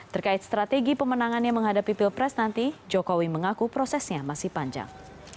terkait strategi pemenangannya menghadapi pilpres nanti jokowi mengaku prosesnya masih panjang